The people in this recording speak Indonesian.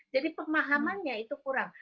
jadi pemahamannya itu kurang